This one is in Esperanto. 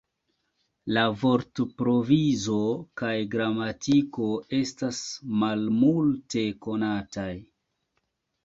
La vortprovizo kaj gramatiko estas malmulte konataj.